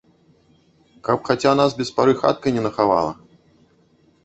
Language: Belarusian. Каб хаця нас без пары хатка не нахавала?